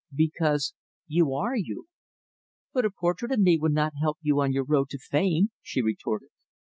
"Because you are you." "But a portrait of me would not help you on your road to fame," she retorted.